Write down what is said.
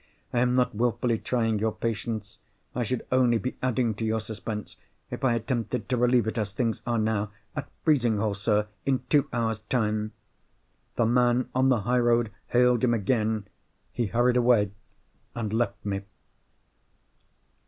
I am not wilfully trying your patience—I should only be adding to your suspense, if I attempted to relieve it as things are now. At Frizinghall, sir, in two hours' time!" The man on the high road hailed him again. He hurried away, and left me.